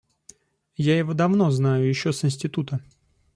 Я его давно знаю, еще с института.